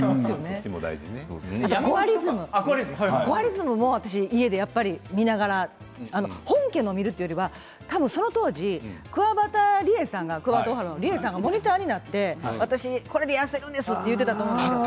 コアリズム私、家で見ながら本家の見るというよりはその当時くわばたりえさんがモニターになって私これで痩せるんですと言っていたと思うんです。